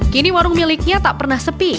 kini warung miliknya tak pernah sepi